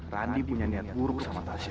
randy punya niat buruk sama tasnya